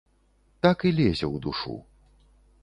Так і лезе ў душу.